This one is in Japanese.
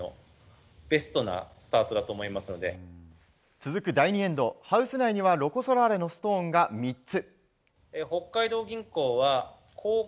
続く第２エンド、ハウス内にはロコ・ソラーレのストーンが３つ。